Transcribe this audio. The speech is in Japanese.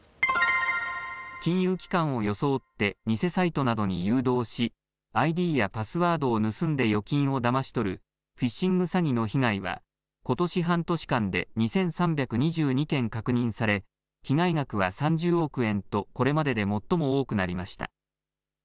金融機関を装って偽サイトなどに誘導しＩＤやパスワードを盗んで預金をだまし取るフィッシング詐欺の被害はことし半年間で２３２２件確認され被害額は３０億円とこれまでで最も多くなりました。